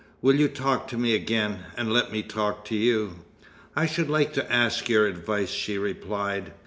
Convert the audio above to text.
Will you talk to me again and let me talk to you?" "I should like to ask your advice," she replied.